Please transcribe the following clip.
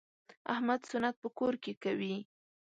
احمد سنت په کور کې کوي.